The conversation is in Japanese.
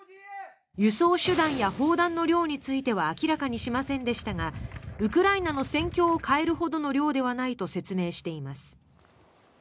輸送手段や砲弾の量については明らかにしませんでしたがウクライナの戦況を変えるほどの量ではないと説明しています。